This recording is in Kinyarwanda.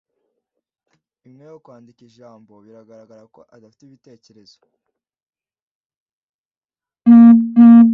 imwe yo kwandika ijambo biragaragara ko adafite ibitekerezo